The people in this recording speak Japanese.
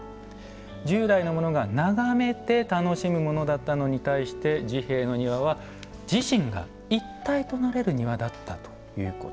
従来のものが眺めて楽しむものだったのに対して治兵衛の庭は自身が一体となれる庭だったということ。